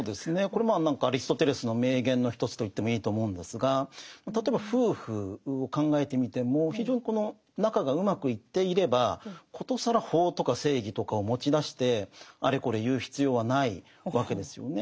これもアリストテレスの名言の一つと言ってもいいと思うんですが例えば夫婦を考えてみても非常にこの仲がうまくいっていれば殊更法とか正義とかを持ち出してあれこれ言う必要はないわけですよね。